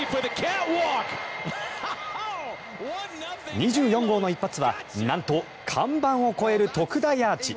２４号の一発はなんと看板を越える特大アーチ。